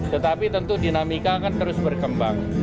tetapi tentu dinamika akan terus berkembang